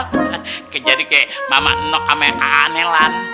kayak jadi kayak mama enok sama nelan